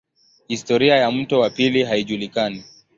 Historia ya mto wa pili haijulikani.